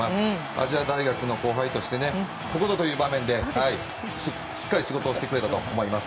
亜細亜大学の後輩としてここぞという場面でしっかり仕事をしてくれたと思います。